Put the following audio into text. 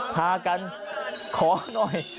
พากันขอหน่อย